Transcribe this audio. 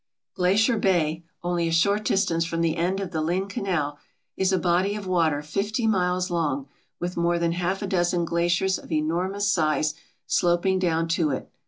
Glacier Bay, only a short distance from the end of the Lynn Canal, is a body of water fifty miles long with more than half a dozen glaciers of enormous size sloping down to it.